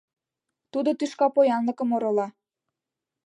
Тудо тӱшка поянлыкым орола.